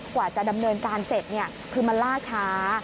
กว่าจะดำเนินการเสร็จคือมันล่าช้า